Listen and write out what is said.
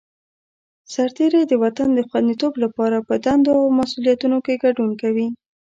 سرتېری د وطن د خوندیتوب لپاره په دندو او مسوولیتونو کې ګډون کوي.